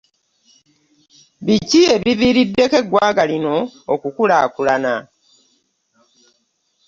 Biki ebivirideko eggwanga lino okukulakulana?